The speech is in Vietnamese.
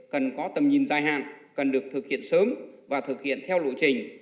cần có tầm nhìn dài hạn cần được thực hiện sớm và thực hiện theo lộ trình